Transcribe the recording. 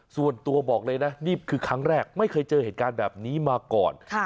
ส่วนตัวบอกเลยนะนี่คือครั้งแรกไม่เคยเจอเหตุการณ์แบบนี้มาก่อน